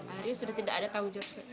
akhirnya sudah tidak ada tanggung jawab